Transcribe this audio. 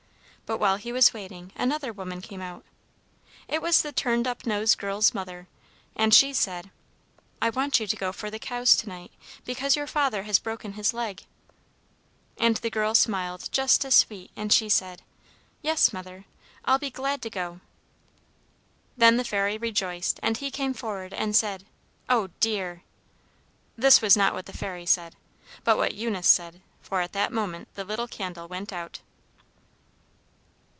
But while he was waiting, another woman came out. It was the turned up nose girl's mother, and she said, 'I want you to go for the cows to night, because your father has broken his leg.' "And the girl smiled just as sweet, and she said, 'Yes, mother, I'll be glad to go.' "Then the Fairy rejoiced, and he came forward and said Oh, dear!" This was not what the Fairy said, but what Eunice said; for at that moment the little candle went out.